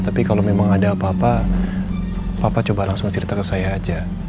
tapi kalau memang ada apa apa papa coba langsung cerita ke saya aja